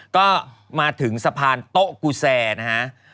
ก็มาถึงสะพานโต๊ะกูแซร์นะฮะ